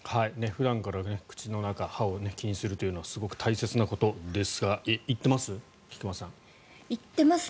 普段から口の中、歯を気にするのはすごく大切なことですが行っています？